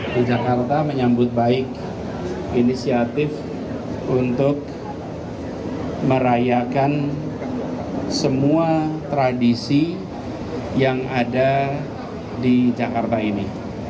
di jakarta menyambut baik inisiatif untuk merayakan semua tradisi yang ada di jakarta ini